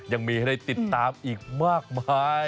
ยังมีให้ได้ติดตามอีกมากมาย